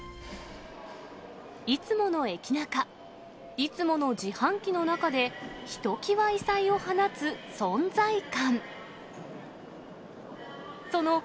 いつものエキナカ、いつもの自販機の中で、ひときわ異彩を放つ存在感。